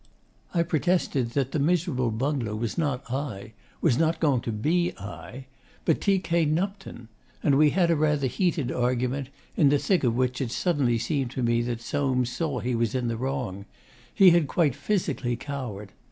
I protested that the miserable bungler was not I was not going to be I but T. K. Nupton; and we had a rather heated argument, in the thick of which it suddenly seemed to me that Soames saw he was in the wrong: he had quite physically cowered.